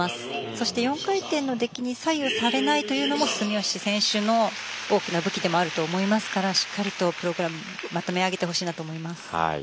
そして４回転の出来に左右されないというのも住吉選手の大きな武器でもあると思いますから、しっかりプログラムまとめあげてほしいです。